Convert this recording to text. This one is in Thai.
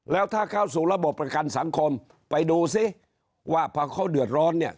แล้วถ้าเข้าสู่ระบบประกันสังคมไปดูซิว่าพอเขาเดือดร้อนเนี่ย